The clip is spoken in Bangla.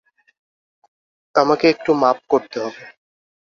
আমাকে একটু মাপ করতে হবে।